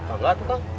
enggak belah tuh kang